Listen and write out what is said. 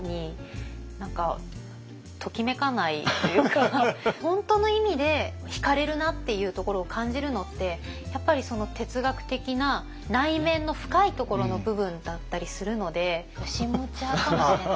確かに本当の意味でひかれるなっていうところを感じるのってやっぱり哲学的な内面の深いところの部分だったりするので義持派かもしれないですね。